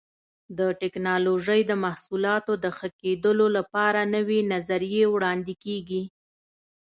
د ټېکنالوجۍ د محصولاتو د ښه کېدلو لپاره نوې نظریې وړاندې کېږي.